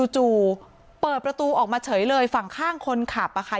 จู่เปิดประตูออกมาเฉยเลยฝั่งข้างคนขับอะค่ะ